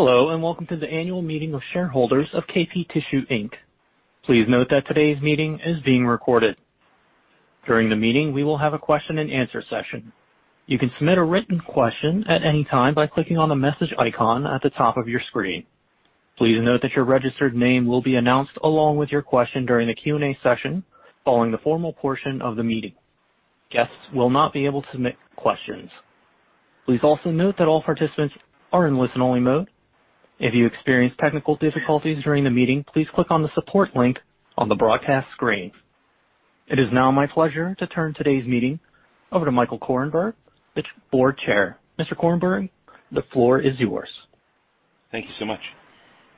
Hello, and welcome to the annual meeting of shareholders of KP Tissue Inc. Please note that today's meeting is being recorded. During the meeting, we will have a Q&A session. You can submit a written question at any time by clicking on the message icon at the top of your screen. Please note that your registered name will be announced along with your question during the Q&A session, following the formal portion of the meeting. Guests will not be able to submit questions. Please also note that all participants are in listen-only mode. If you experience technical difficulties during the meeting, please click on the support link on the broadcast screen. It is now my pleasure to turn today's meeting over to Michael Korenberg, its Board Chair. Mr. Korenberg, the floor is yours. Thank you so much.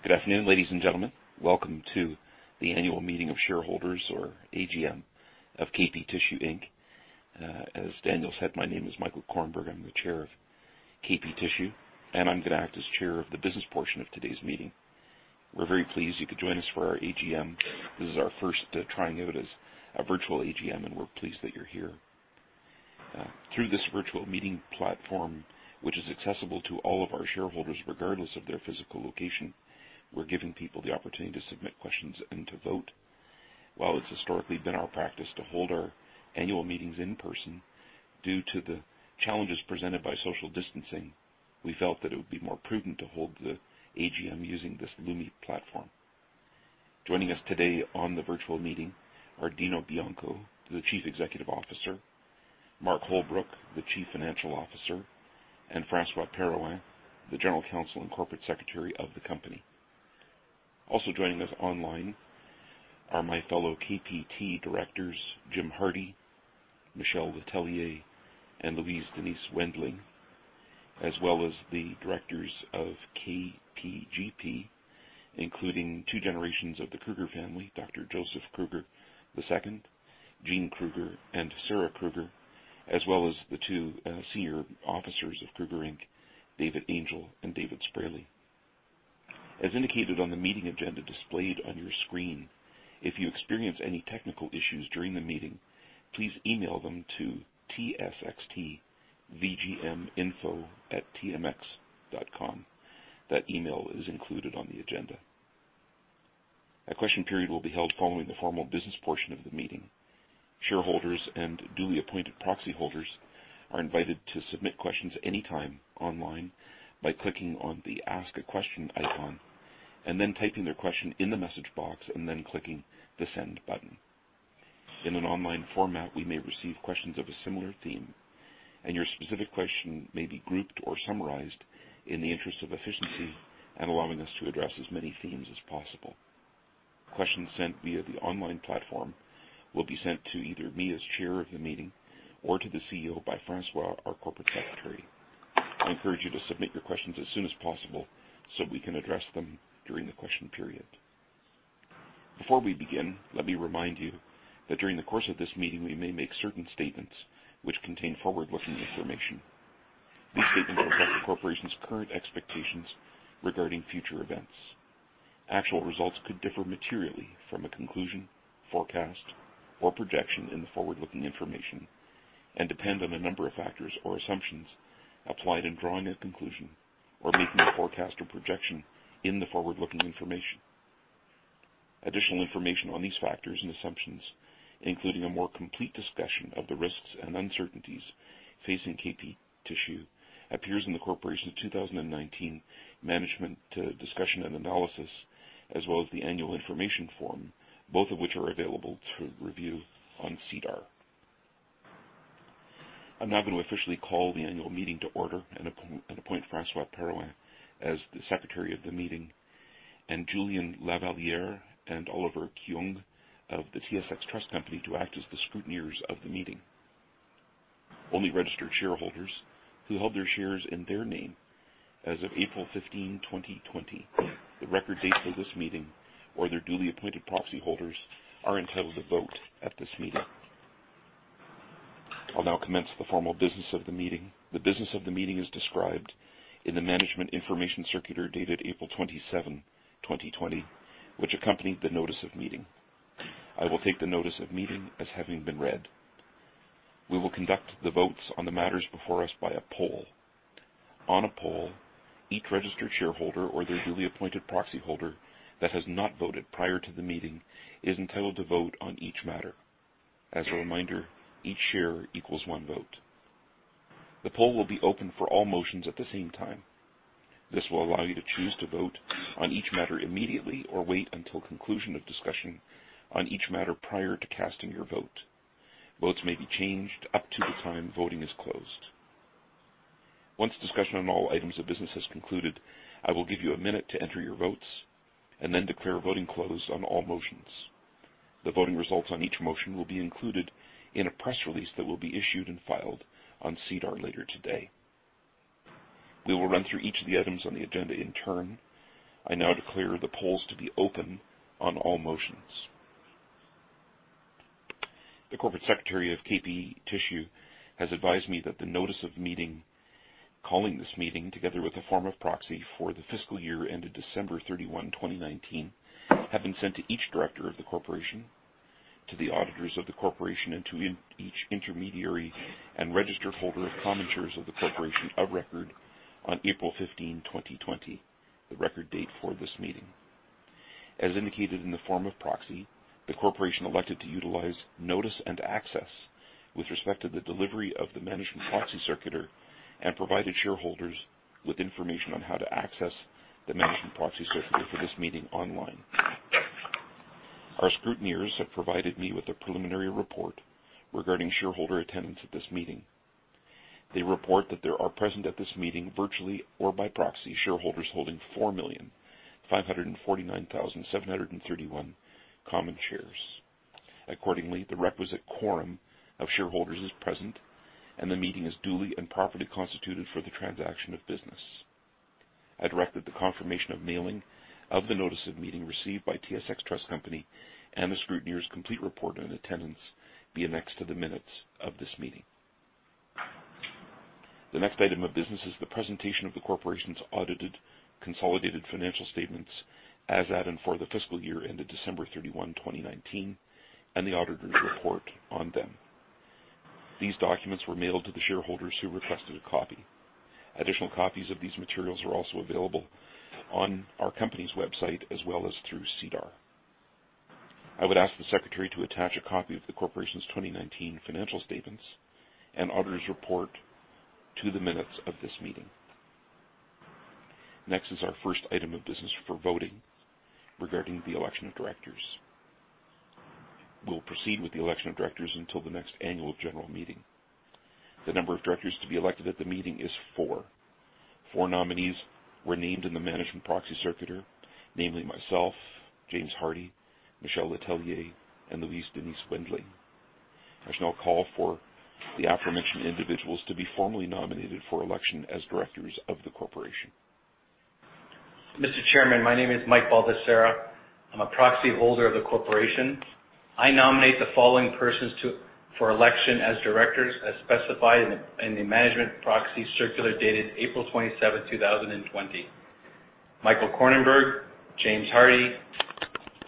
Good afternoon, ladies and gentlemen. Welcome to the annual meeting of shareholders or AGM of KP Tissue Inc. As Daniel said, my name is Michael Korenberg. I'm the Chair of KP Tissue, and I'm gonna act as Chair of the business portion of today's meeting. We're very pleased you could join us for our AGM. This is our first trying out as a virtual AGM, and we're pleased that you're here. Through this virtual meeting platform, which is accessible to all of our shareholders, regardless of their physical location, we're giving people the opportunity to submit questions and to vote. While it's historically been our practice to hold our annual meetings in person, due to the challenges presented by social distancing, we felt that it would be more prudent to hold the AGM using this Lumi platform. Joining us today on the virtual meeting are Dino Bianco, the Chief Executive Officer, Mark Holbrook, the Chief Financial Officer, and François Paroyan, the General Counsel and Corporate Secretary of the company. Also joining us online are my fellow KPT directors, James Hardy, Michel Letellier, and Louise Denise Wendling, as well as the directors of KPGP, including two generations of the Kruger family, Dr. Joseph Kruger II, Gene Kruger, and Sarah Kruger, as well as the two senior officers of Kruger Inc., David Angel and David Spraley. As indicated on the meeting agenda displayed on your screen, if you experience any technical issues during the meeting, please email them to tsxtvgminfo@tmx.com. That email is included on the agenda. A question period will be held following the formal business portion of the meeting. Shareholders and duly appointed proxy holders are invited to submit questions anytime online by clicking on the Ask a Question icon and then typing their question in the message box and then clicking the Send button. In an online format, we may receive questions of a similar theme, and your specific question may be grouped or summarized in the interest of efficiency and allowing us to address as many themes as possible. Questions sent via the online platform will be sent to either me as chair of the meeting or to the CEO by François, our corporate secretary. I encourage you to submit your questions as soon as possible so we can address them during the question period. Before we begin, let me remind you that during the course of this meeting, we may make certain statements which contain forward-looking information. These statements reflect the corporation's current expectations regarding future events. Actual results could differ materially from the conclusion, forecast, or projection in the forward-looking information and depend on a number of factors or assumptions applied in drawing a conclusion or making a forecast or projection in the forward-looking information. Additional information on these factors and assumptions, including a more complete discussion of the risks and uncertainties facing KP Tissue, appears in the corporation's 2019 management discussion and analysis, as well as the annual information form, both of which are available to review on SEDAR. I'm now going to officially call the annual meeting to order and appoint François Paroyan as the secretary of the meeting, and Julien Lavallière and Oliver Keung of the TSX Trust Company to act as the scrutineers of the meeting. Only registered shareholders who held their shares in their name as of April 15, 2020, the record date for this meeting, or their duly appointed proxy holders, are entitled to vote at this meeting. I'll now commence the formal business of the meeting. The business of the meeting is described in the Management Information Circular dated April 27, 2020, which accompanied the Notice of Meeting. I will take the Notice of Meeting as having been read. We will conduct the votes on the matters before us by a poll. On a poll, each registered shareholder or their duly appointed proxyholder that has not voted prior to the meeting is entitled to vote on each matter. As a reminder, each share equals one vote. The poll will be open for all motions at the same time. This will allow you to choose to vote on each matter immediately or wait until conclusion of discussion on each matter prior to casting your vote. Votes may be changed up to the time voting is closed. Once discussion on all items of business has concluded, I will give you a minute to enter your votes and then declare voting closed on all motions. The voting results on each motion will be included in a press release that will be issued and filed on SEDAR later today. We will run through each of the items on the agenda in turn. I now declare the polls to be open on all motions. The corporate secretary of KP Tissue has advised me that the notice of meeting, calling this meeting, together with a form of proxy for the fiscal year ended December 31, 2019, have been sent to each director of the corporation to the auditors of the corporation and to each intermediary and registered holder of common shares of the corporation of record on April 15, 2020, the record date for this meeting. As indicated in the form of proxy, the corporation elected to utilize Notice and Access with respect to the delivery of the management proxy circular, and provided shareholders with information on how to access the management proxy circular for this meeting online. Our scrutineers have provided me with a preliminary report regarding shareholder attendance at this meeting. They report that there are present at this meeting, virtually or by proxy, shareholders holding 4,549,731 common shares. Accordingly, the requisite quorum of shareholders is present, and the meeting is duly and properly constituted for the transaction of business. I direct that the confirmation of mailing of the notice of meeting received by TSX Trust Company and the scrutineers' complete report on attendance be annexed to the minutes of this meeting. The next item of business is the presentation of the corporation's audited consolidated financial statements as at and for the fiscal year ended December 31, 2019, and the auditor's report on them. These documents were mailed to the shareholders who requested a copy. Additional copies of these materials are also available on our company's website as well as through SEDAR. I would ask the secretary to attach a copy of the corporation's 2019 financial statements and auditor's report to the minutes of this meeting. Next is our first item of business for voting regarding the election of directors. We'll proceed with the election of directors until the next annual general meeting. The number of directors to be elected at the meeting is four. Four nominees were named in the Management Proxy Circular, namely myself, James Hardy, Michel Letellier, and Louise Denise Wendling. I shall now call for the aforementioned individuals to be formally nominated for election as directors of the corporation. Mr. Chairman, my name is Mike Baldesarra. I'm a proxy holder of the corporation. I nominate the following persons for election as directors, as specified in the management proxy circular dated April 27, 2020. Michael Korenberg, James Hardy,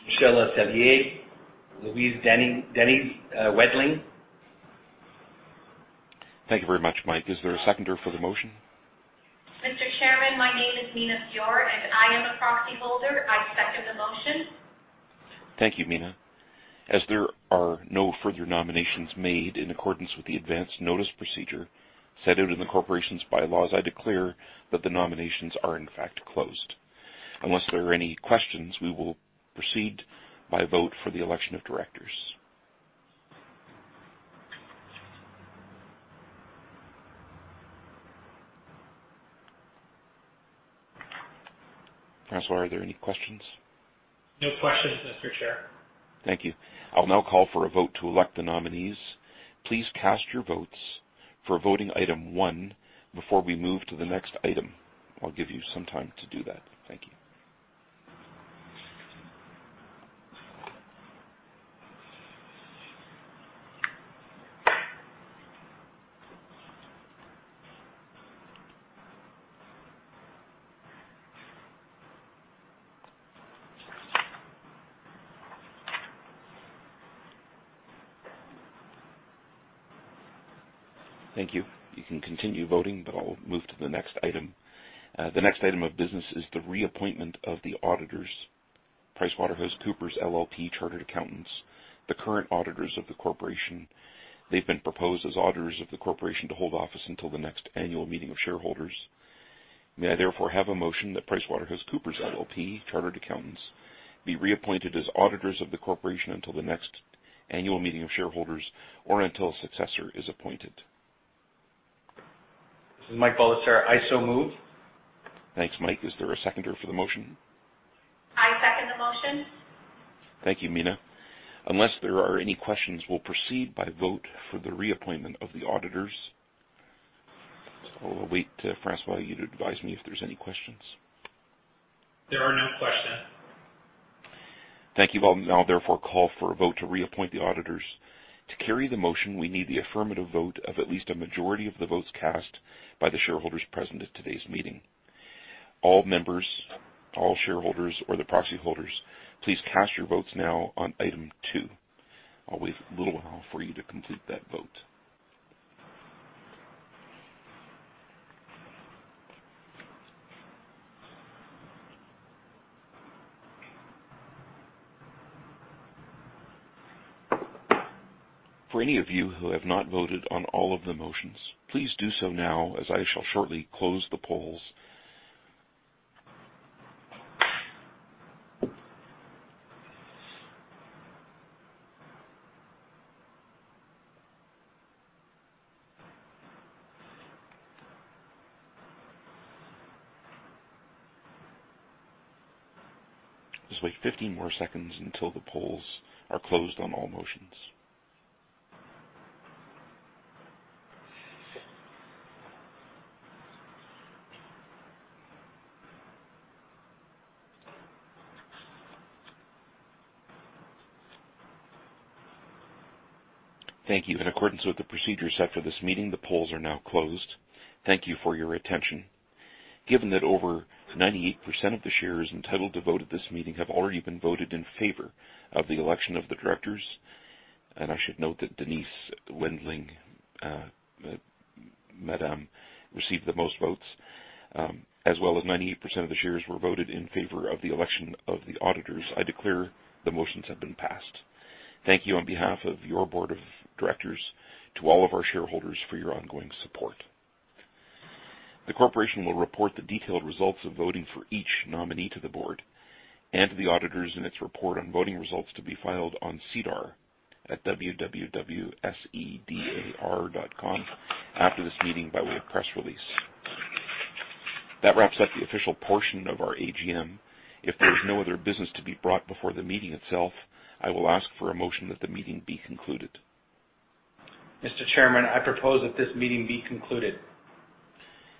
Michel Letellier, Louise Denise Wendling. Thank you very much, Mike. Is there a seconder for the motion? Mr. Chairman, my name is Mina Fior, and I am a proxy holder. I second the motion. Thank you, Mina. As there are no further nominations made in accordance with the advance notice procedure set out in the corporation's bylaws, I declare that the nominations are, in fact, closed. Unless there are any questions, we will proceed by a vote for the election of directors. François, are there any questions? No questions, Mr. Chair. Thank you. I'll now call for a vote to elect the nominees. Please cast your votes for voting item one before we move to the next item. I'll give you some time to do that. Thank you. Thank you. You can continue voting, but I'll move to the next item. The next item of business is the reappointment of the auditors, PricewaterhouseCoopers LLP, Chartered Accountants, the current auditors of the corporation. They've been proposed as auditors of the corporation to hold office until the next annual meeting of shareholders. May I therefore have a motion that PricewaterhouseCoopers LLP, Chartered Accountants, be reappointed as auditors of the corporation until the next annual meeting of shareholders or until a successor is appointed? This is Mike Baldesarra. I so move. Thanks, Mike. Is there a seconder for the motion? I second the motion. Thank you, Mina. Unless there are any questions, we'll proceed by vote for the reappointment of the auditors. So I'll wait for François to advise me if there's any questions. There are no questions. Thank you. I'll now therefore call for a vote to reappoint the auditors. To carry the motion, we need the affirmative vote of at least a majority of the votes cast by the shareholders present at today's meeting. All members, all shareholders, or the proxy holders, please cast your votes now on item two. I'll wait a little while for you to complete that vote. For any of you who have not voted on all of the motions, please do so now, as I shall shortly close the polls. Just wait 15 more seconds until the polls are closed on all motions. Thank you. In accordance with the procedures set for this meeting, the polls are now closed. Thank you for your attention. Given that over 98% of the shares entitled to vote at this meeting have already been voted in favor of the election of the directors, and I should note that Denise Wendling, Madam, received the most votes, as well as 98% of the shares were voted in favor of the election of the auditors, I declare the motions have been passed. Thank you on behalf of your board of directors to all of our shareholders for your ongoing support. The corporation will report the detailed results of voting for each nominee to the board and to the auditors in its report on voting results to be filed on SEDAR at www.sedar.com after this meeting by way of press release. That wraps up the official portion of our AGM. If there is no other business to be brought before the meeting itself, I will ask for a motion that the meeting be concluded. Mr. Chairman, I propose that this meeting be concluded.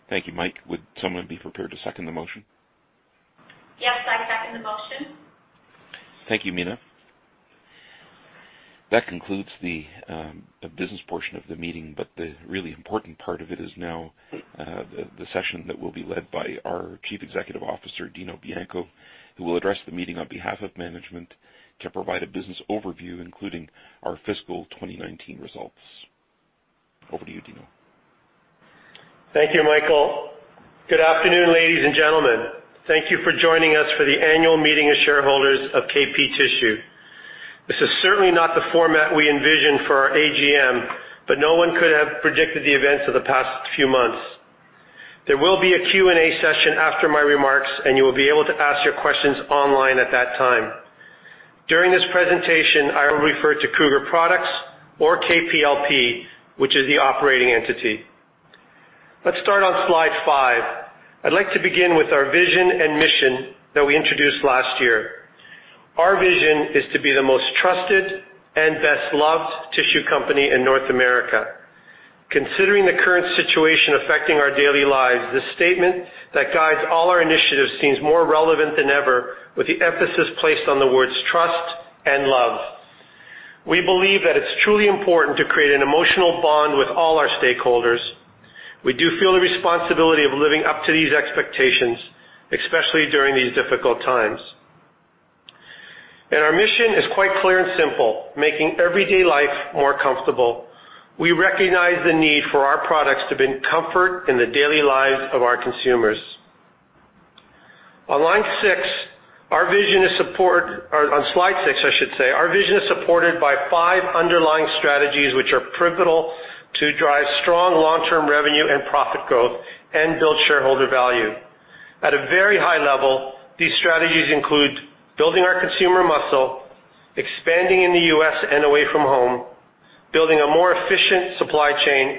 Thank you, Mike. Would someone be prepared to second the motion? Yes, I second the motion. Thank you, Mina. That concludes the business portion of the meeting, but the really important part of it is now the session that will be led by our Chief Executive Officer, Dino Bianco, who will address the meeting on behalf of management to provide a business overview, including our fiscal 2019 results. Over to you, Dino. Thank you, Michael. Good afternoon, ladies and gentlemen. Thank you for joining us for the annual meeting of shareholders of KP Tissue. This is certainly not the format we envisioned for our AGM, but no one could have predicted the events of the past few months. There will be a Q&A session after my remarks, and you will be able to ask your questions online at that time. During this presentation, I will refer to Kruger Products or KPLP, which is the operating entity. Let's start on slide five. I'd like to begin with our vision and mission that we introduced last year. Our vision is to be the most trusted and best-loved tissue company in North America. Considering the current situation affecting our daily lives, this statement that guides all our initiatives seems more relevant than ever, with the emphasis placed on the words trust and love. We believe that it's truly important to create an emotional bond with all our stakeholders. We do feel the responsibility of living up to these expectations, especially during these difficult times. Our mission is quite clear and simple, making everyday life more comfortable. We recognize the need for our products to bring comfort in the daily lives of our consumers. On line six, our vision is support or on slide six, I should say, our vision is supported by five underlying strategies, which are pivotal to drive strong long-term revenue and profit growth and build shareholder value. At a very high level, these strategies include building our consumer muscle, expanding in the U.S. and away from home, building a more efficient supply chain,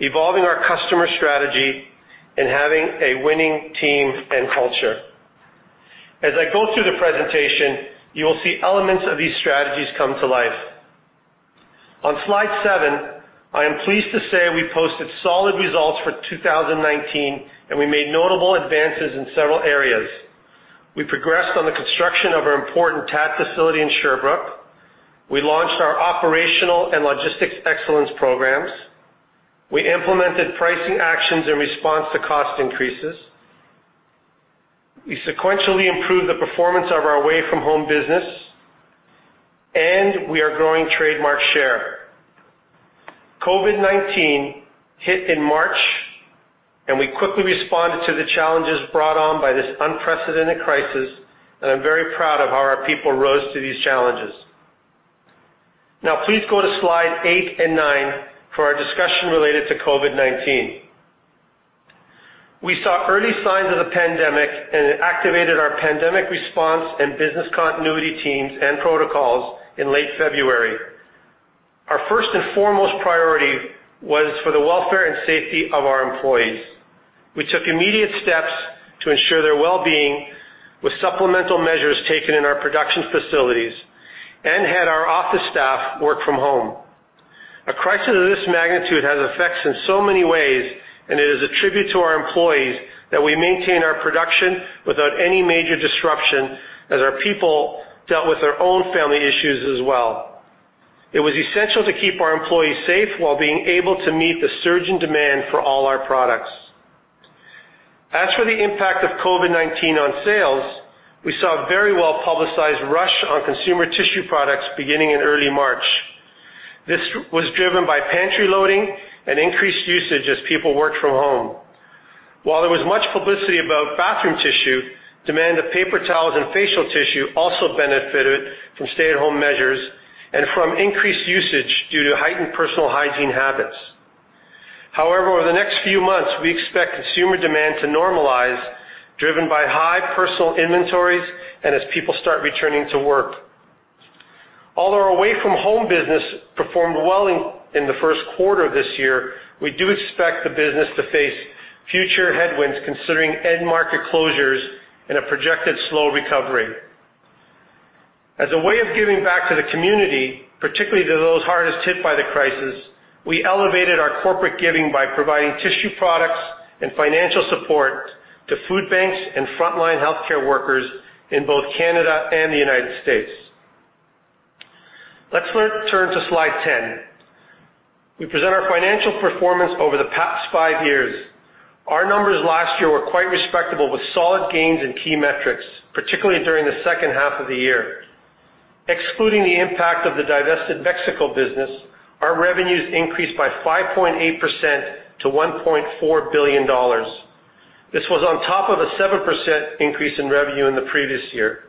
evolving our customer strategy, and having a winning team and culture. As I go through the presentation, you will see elements of these strategies come to life. On slide 7, I am pleased to say we posted solid results for 2019, and we made notable advances in several areas. We progressed on the construction of our important TAD facility in Sherbrooke. We launched our operational and logistics excellence programs. We implemented pricing actions in response to cost increases. We sequentially improved the performance of our away from home business, and we are growing trademark share. COVID-19 hit in March, and we quickly responded to the challenges brought on by this unprecedented crisis, and I'm very proud of how our people rose to these challenges. Now, please go to slide 8 and 9 for our discussion related to COVID-19. We saw early signs of the pandemic, and it activated our pandemic response and business continuity teams and protocols in late February. Our first and foremost priority was for the welfare and safety of our employees. We took immediate steps to ensure their well-being with supplemental measures taken in our production facilities and had our office staff work from home. A crisis of this magnitude has effects in so many ways, and it is a tribute to our employees that we maintain our production without any major disruption as our people dealt with their own family issues as well. It was essential to keep our employees safe while being able to meet the surge in demand for all our products. As for the impact of COVID-19 on sales, we saw a very well-publicized rush on consumer tissue products beginning in early March. This was driven by pantry loading and increased usage as people worked from home. While there was much publicity about bathroom tissue, demand of paper towels and facial tissue also benefited from stay-at-home measures and from increased usage due to heightened personal hygiene habits. However, over the next few months, we expect consumer demand to normalize, driven by high personal inventories and as people start returning to work. Although our away-from-home business performed well in the Q1 of this year, we do expect the business to face future headwinds considering end market closures and a projected slow recovery. As a way of giving back to the community, particularly to those hardest hit by the crisis, we elevated our corporate giving by providing tissue products and financial support to food banks and frontline healthcare workers in both Canada and the United States. Let's turn to slide 10. We present our financial performance over the past five years. Our numbers last year were quite respectable, with solid gains in key metrics, particularly during the second half of the year. Excluding the impact of the divested Mexico business, our revenues increased by 5.8% to 1.4 billion dollars. This was on top of a 7% increase in revenue in the previous year.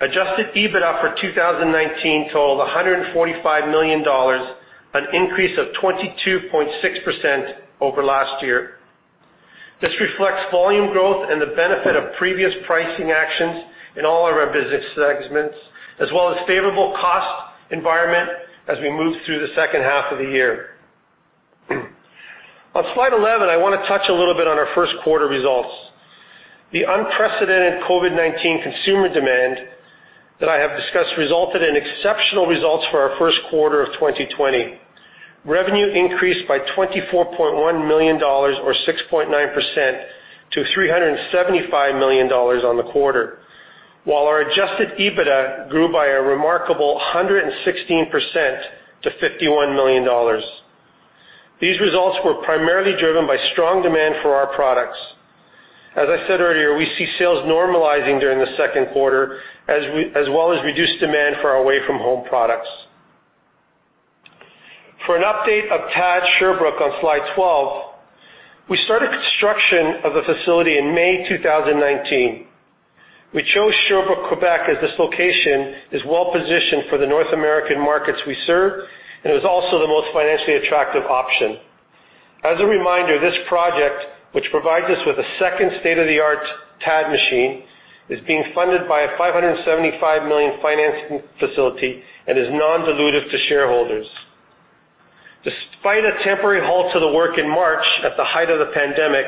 Adjusted EBITDA for 2019 totaled 145 million dollars, an increase of 22.6% over last year. This reflects volume growth and the benefit of previous pricing actions in all our business segments, as well as favorable cost environment as we move through the second half of the year. On slide 11, I wanna touch a little bit on our Q1 results. The unprecedented COVID-19 consumer demand that I have discussed resulted in exceptional results for our Q1 of 2020. Revenue increased by 24.1 million dollars or 6.9% to 375 million dollars on the quarter, while our adjusted EBITDA grew by a remarkable 116% to 51 million dollars. These results were primarily driven by strong demand for our products. As I said earlier, we see sales normalizing during the Q2, as well as reduced demand for our away-from-home products. For an update of TAD Sherbrooke on slide 12, we started construction of the facility in May 2019. We chose Sherbrooke, Quebec, as this location is well-positioned for the North American markets we serve, and it was also the most financially attractive option. As a reminder, this project, which provides us with a second state-of-the-art TAD machine, is being funded by a 575 million financing facility and is non-dilutive to shareholders. Despite a temporary halt to the work in March at the height of the pandemic,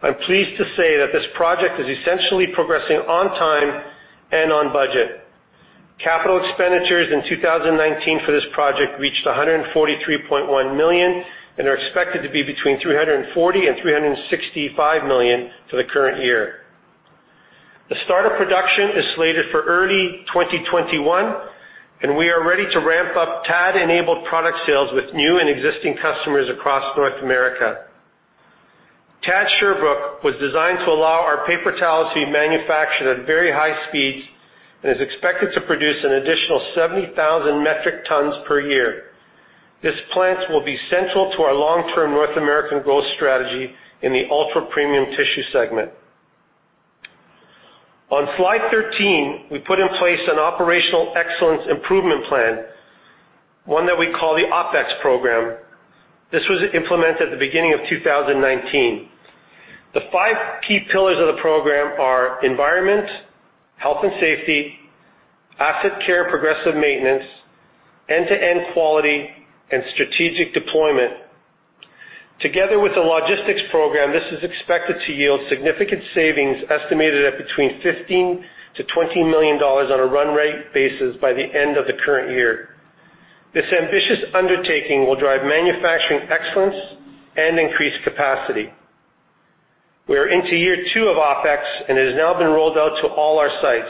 I'm pleased to say that this project is essentially progressing on time and on budget. Capital expenditures in 2019 for this project reached 143.1 million, and are expected to be between 340 million and 365 million for the current year. The start of production is slated for early 2021, and we are ready to ramp up TAD-enabled product sales with new and existing customers across North America. TAD Sherbrooke was designed to allow our paper towels to be manufactured at very high speeds, and is expected to produce an additional 70,000 metric tons per year. This plant will be central to our long-term North American growth strategy in the ultra-premium tissue segment. On slide 13, we put in place an operational excellence improvement plan, one that we call the OpEx program. This was implemented at the beginning of 2019. The five key pillars of the program are environment, health and safety, asset care, progressive maintenance, end-to-end quality, and strategic deployment. Together with the logistics program, this is expected to yield significant savings, estimated at between 15 million and 20 million dollars on a run rate basis by the end of the current year. This ambitious undertaking will drive manufacturing excellence and increase capacity. We are into year 2 of OpEx, and it has now been rolled out to all our sites.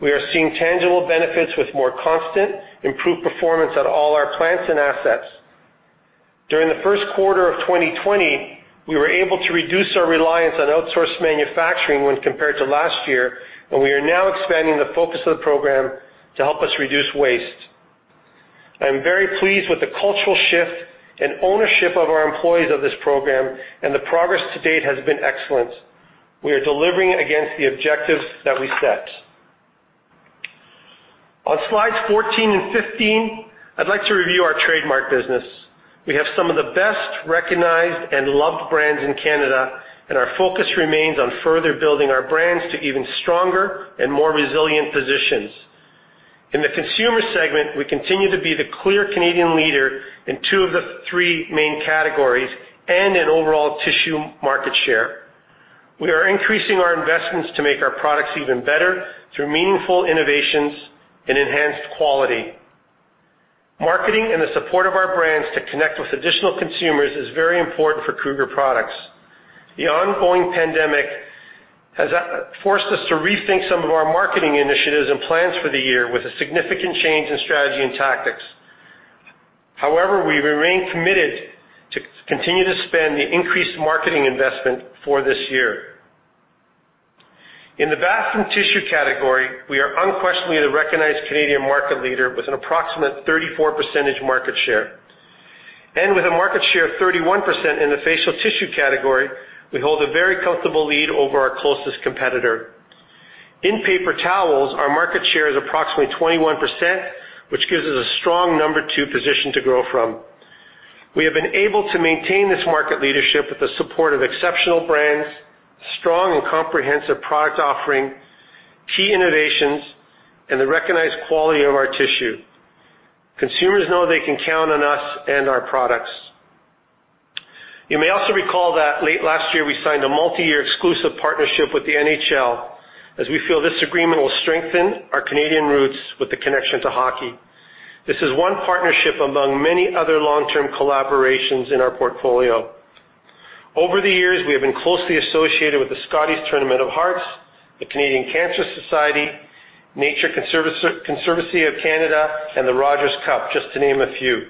We are seeing tangible benefits with more constant, improved performance at all our plants and assets. During the Q1 of 2020, we were able to reduce our reliance on outsourced manufacturing when compared to last year, and we are now expanding the focus of the program to help us reduce waste. I am very pleased with the cultural shift and ownership of our employees of this program, and the progress to date has been excellent. We are delivering against the objectives that we set. On slides 14 and 15, I'd like to review our trademark business. We have some of the best-recognized and loved brands in Canada, and our focus remains on further building our brands to even stronger and more resilient positions. In the consumer segment, we continue to be the clear Canadian leader in two of the three main categories and in overall tissue market share. We are increasing our investments to make our products even better through meaningful innovations and enhanced quality. Marketing and the support of our brands to connect with additional consumers is very important for Kruger Products. The ongoing pandemic has forced us to rethink some of our marketing initiatives and plans for the year with a significant change in strategy and tactics. However, we remain committed to continue to spend the increased marketing investment for this year. In the bath and tissue category, we are unquestionably the recognized Canadian market leader with an approximate 34% market share. And with a market share of 31% in the facial tissue category, we hold a very comfortable lead over our closest competitor. In paper towels, our market share is approximately 21%, which gives us a strong number two position to grow from. We have been able to maintain this market leadership with the support of exceptional brands, strong and comprehensive product offering, key innovations, and the recognized quality of our tissue. Consumers know they can count on us and our products. You may also recall that late last year, we signed a multi-year exclusive partnership with the NHL, as we feel this agreement will strengthen our Canadian roots with the connection to hockey. This is one partnership among many other long-term collaborations in our portfolio. Over the years, we have been closely associated with the Scotties Tournament of Hearts, the Canadian Cancer Society, Nature Conservancy of Canada, and the Rogers Cup, just to name a few.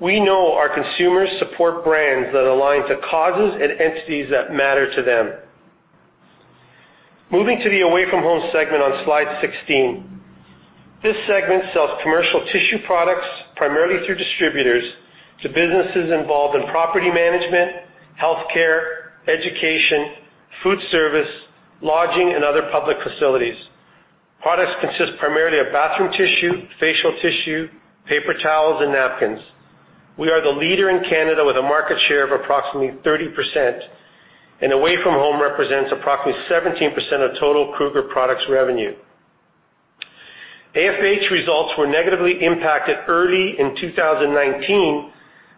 We know our consumers support brands that align to causes and entities that matter to them. Moving to the away from home segment on slide 16. This segment sells commercial tissue products, primarily through distributors, to businesses involved in property management, healthcare, education, food service, lodging, and other public facilities. Products consist primarily of bathroom tissue, facial tissue, paper towels, and napkins. We are the leader in Canada with a market share of approximately 30%, and away from home represents approximately 17% of total Kruger Products revenue. AFH results were negatively impacted early in 2019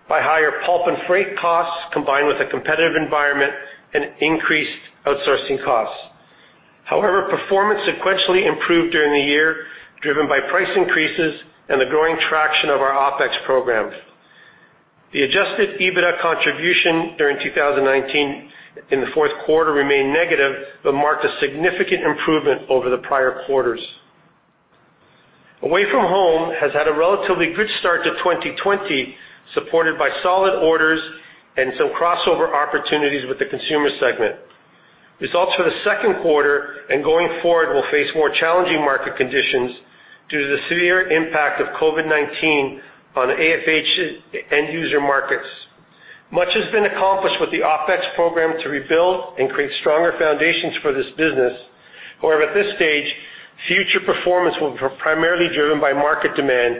by higher pulp and freight costs, combined with a competitive environment and increased outsourcing costs. However, performance sequentially improved during the year, driven by price increases and the growing traction of our OpEx program. The adjusted EBITDA contribution during 2019 in the Q4 remained negative, but marked a significant improvement over the prior quarters. Away-from-Home has had a relatively good start to 2020, supported by solid orders and some crossover opportunities with the consumer segment. Results for the Q2 and going forward will face more challenging market conditions due to the severe impact of COVID-19 on AFH end user markets. Much has been accomplished with the OpEx program to rebuild and create stronger foundations for this business. However, at this stage, future performance will be primarily driven by market demand,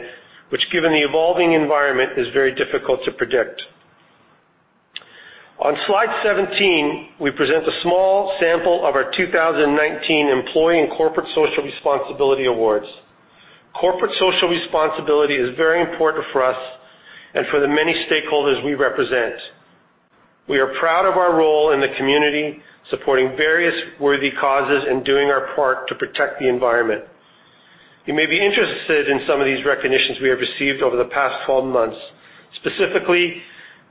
which, given the evolving environment, is very difficult to predict. On slide 17, we present a small sample of our 2019 Employee and Corporate Social Responsibility Awards. Corporate social responsibility is very important for us and for the many stakeholders we represent. We are proud of our role in the community, supporting various worthy causes and doing our part to protect the environment. You may be interested in some of these recognitions we have received over the past 12 months, specifically,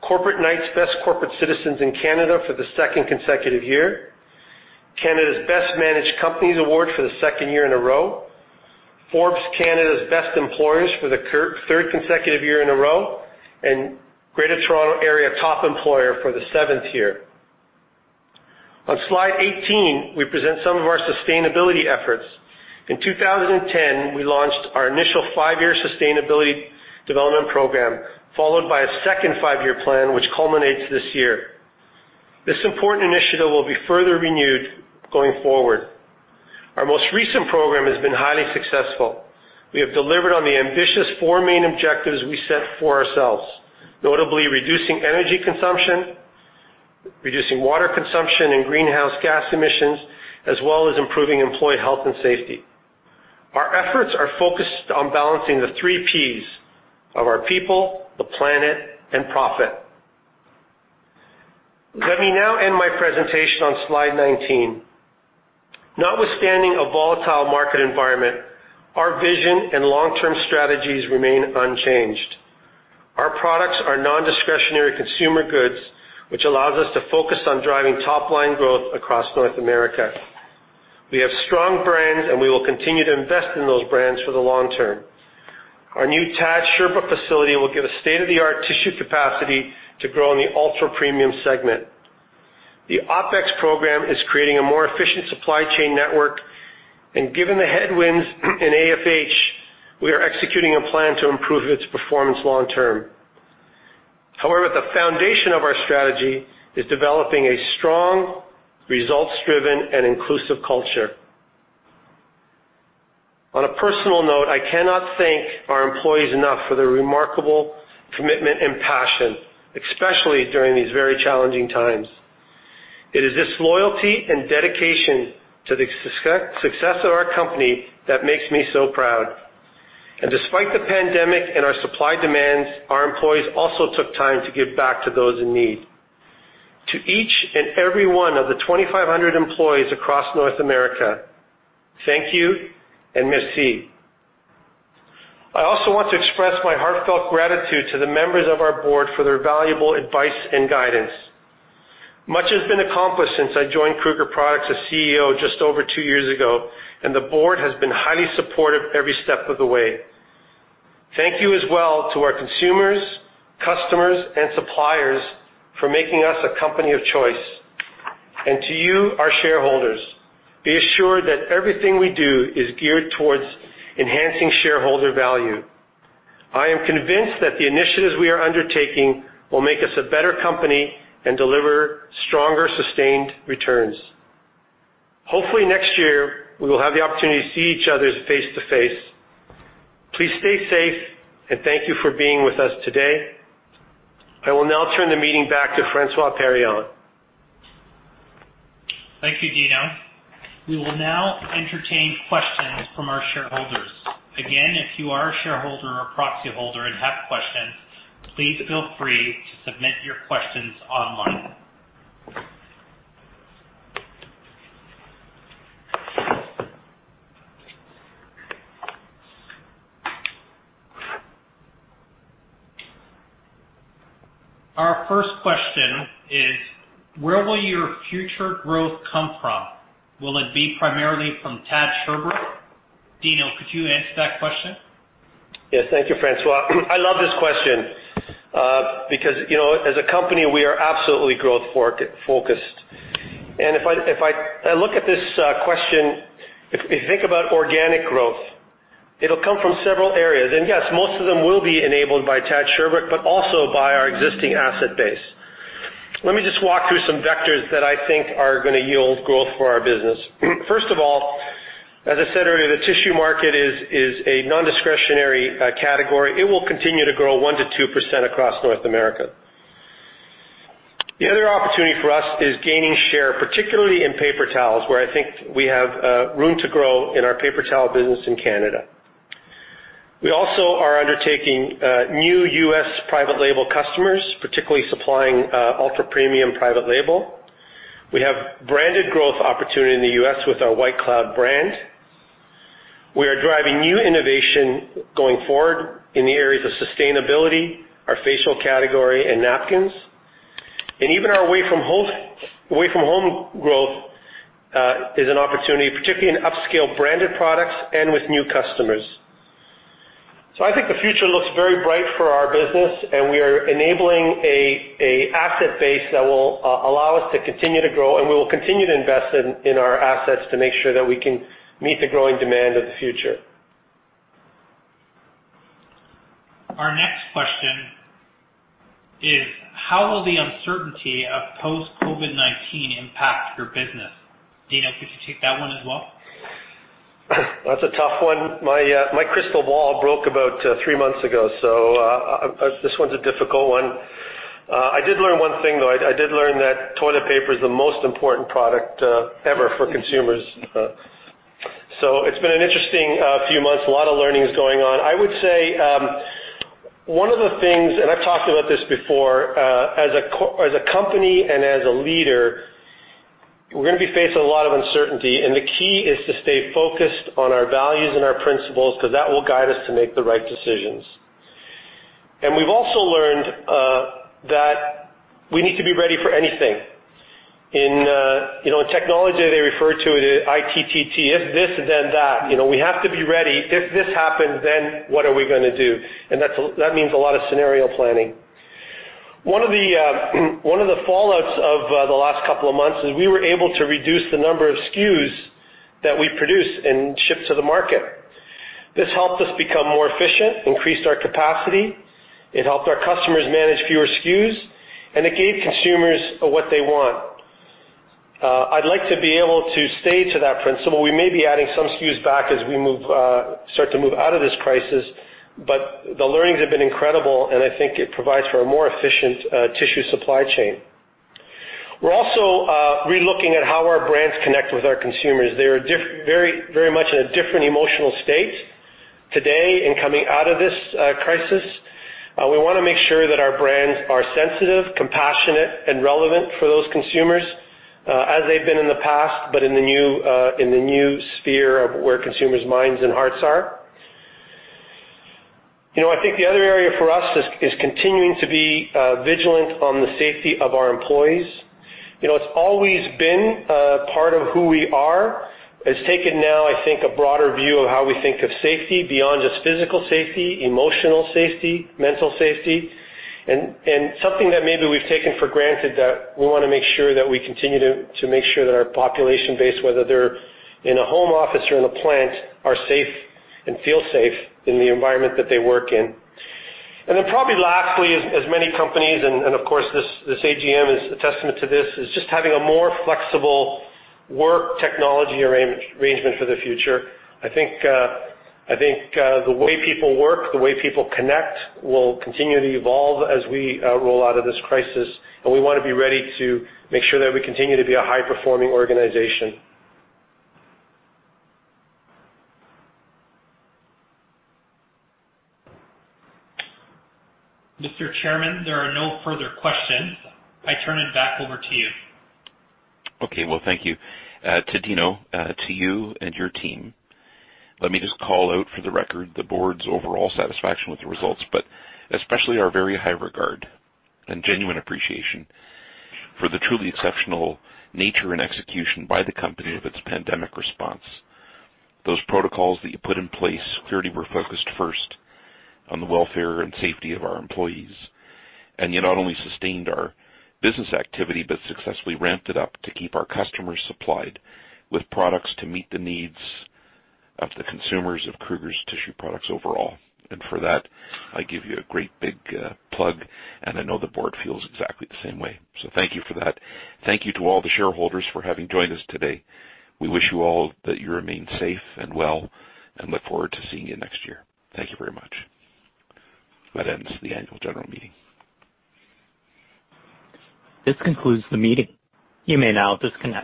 Corporate Knights Best Corporate Citizens in Canada for the second consecutive year, Canada's Best Managed Companies Award for the second year in a row, Forbes Canada's Best Employers for the third consecutive year in a row, and Greater Toronto Area Top Employer for the seventh year. On slide 18, we present some of our sustainability efforts. In 2010, we launched our initial five-year sustainability development program, followed by a second five-year plan, which culminates this year. This important initiative will be further renewed going forward. Our most recent program has been highly successful. We have delivered on the ambitious four main objectives we set for ourselves, notably reducing energy consumption, reducing water consumption and greenhouse gas emissions, as well as improving employee health and safety. Our efforts are focused on balancing the three Ps of our people, the planet, and profit. Let me now end my presentation on slide 19. Notwithstanding a volatile market environment, our vision and long-term strategies remain unchanged. Our products are non-discretionary consumer goods, which allows us to focus on driving top-line growth across North America. We have strong brands, and we will continue to invest in those brands for the long term. Our new TAD Sherbrooke facility will give a state-of-the-art tissue capacity to grow in the ultra-premium segment. The OpEx program is creating a more efficient supply chain network, and given the headwinds in AFH, we are executing a plan to improve its performance long term. However, the foundation of our strategy is developing a strong, results-driven, and inclusive culture. On a personal note, I cannot thank our employees enough for their remarkable commitment and passion, especially during these very challenging times. It is this loyalty and dedication to the success of our company that makes me so proud. Despite the pandemic and our supply demands, our employees also took time to give back to those in need. To each and every one of the 2,500 employees across North America, thank you, and merci. I also want to express my heartfelt gratitude to the members of our board for their valuable advice and guidance. Much has been accomplished since I joined Kruger Products as CEO just over 2 years ago, and the board has been highly supportive every step of the way. Thank you as well to our consumers, customers, and suppliers for making us a company of choice. To you, our shareholders, be assured that everything we do is geared towards enhancing shareholder value. I am convinced that the initiatives we are undertaking will make us a better company and deliver stronger, sustained returns. Hopefully, next year, we will have the opportunity to see each other face to face. Please stay safe, and thank you for being with us today. I will now turn the meeting back to François Paroyan. Thank you, Dino. We will now entertain questions from our shareholders. Again, if you are a shareholder or proxy holder and have questions, please feel free to submit your questions online. Our first question is, where will your future growth come from? Will it be primarily from TAD Sherbrooke? Dino, could you answer that question? Yes, thank you, François. I love this question, because, you know, as a company, we are absolutely growth-focused. And if I look at this question, if you think about organic growth, it'll come from several areas. And yes, most of them will be enabled by TAD Sherbrooke, but also by our existing asset base. Let me just walk through some vectors that I think are gonna yield growth for our business. First of all, as I said earlier, the tissue market is a non-discretionary category. It will continue to grow 1% to 2% across North America. The other opportunity for us is gaining share, particularly in paper towels, where I think we have room to grow in our paper towel business in Canada. We also are undertaking new U.S. private label customers, particularly supplying ultra-premium private label. We have branded growth opportunity in the U.S. with our White Cloud brand. We are driving new innovation going forward in the areas of sustainability, our facial category, and napkins. And even our away-from-home growth is an opportunity, particularly in upscale branded products and with new customers. So I think the future looks very bright for our business, and we are enabling an asset base that will allow us to continue to grow, and we will continue to invest in our assets to make sure that we can meet the growing demand of the future. Our next question is: how will the uncertainty of post-COVID-19 impact your business? Dino, could you take that one as well? That's a tough one. My crystal ball broke about three months ago, so this one's a difficult one. I did learn one thing, though. I did learn that toilet paper is the most important product ever for consumers. So it's been an interesting few months. A lot of learning is going on. I would say one of the things, and I've talked about this before, as a company and as a leader, we're gonna be facing a lot of uncertainty, and the key is to stay focused on our values and our principles, because that will guide us to make the right decisions. And we've also learned that we need to be ready for anything. In you know, in technology, they refer to it as ITTT, if this, then that. You know, we have to be ready. If this happens, then what are we gonna do? And that's. That means a lot of scenario planning. One of the fallouts of the last couple of months is we were able to reduce the number of SKUs that we produce and ship to the market. This helped us become more efficient, increased our capacity, it helped our customers manage fewer SKUs, and it gave consumers what they want. I'd like to be able to stay to that principle. We may be adding some SKUs back as we move, start to move out of this crisis, but the learnings have been incredible, and I think it provides for a more efficient, tissue supply chain. We're also relooking at how our brands connect with our consumers. They are very, very much in a different emotional state today and coming out of this crisis. We wanna make sure that our brands are sensitive, compassionate, and relevant for those consumers, as they've been in the past, but in the new, in the new sphere of where consumers' minds and hearts are. You know, I think the other area for us is, is continuing to be vigilant on the safety of our employees. You know, it's always been part of who we are. It's taken now, I think, a broader view of how we think of safety beyond just physical safety, emotional safety, mental safety, and something that maybe we've taken for granted, that we wanna make sure that we continue to make sure that our population base, whether they're in a home office or in a plant, are safe and feel safe in the environment that they work in. And then probably lastly, as many companies, and of course, this AGM is a testament to this, is just having a more flexible work technology arrangement for the future. I think, I think, the way people work, the way people connect, will continue to evolve as we roll out of this crisis, and we wanna be ready to make sure that we continue to be a high-performing organization. Mr. Chairman, there are no further questions. I turn it back over to you. Okay, well, thank you to Dino, to you and your team. Let me just call out for the record, the board's overall satisfaction with the results, but especially our very high regard and genuine appreciation for the truly exceptional nature and execution by the company of its pandemic response. Those protocols that you put in place clearly were focused first on the welfare and safety of our employees. And you not only sustained our business activity, but successfully ramped it up to keep our customers supplied with products to meet the needs of the consumers of Kruger's Tissue Products overall. And for that, I give you a great big plug, and I know the board feels exactly the same way. So thank you for that. Thank you to all the shareholders for having joined us today. We wish you all that you remain safe and well, and look forward to seeing you next year. Thank you very much. That ends the annual general meeting. This concludes the meeting. You may now disconnect.